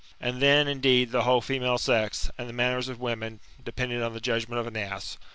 And then, indeed,{the whole female sex, and the manners of women, depend on the judgment of an ass.